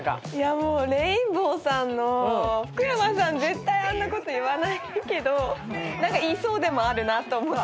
もうレインボーさんの福山さん絶対あんなこと言わないけど言いそうでもあるなと思って。